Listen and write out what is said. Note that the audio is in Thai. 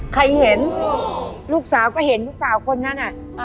เห็นลูกสาวก็เห็นลูกสาวคนนั้นน่ะ